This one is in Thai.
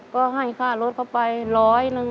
ก็ให้ค่ารถเข้าไปร้อยหนึ่ง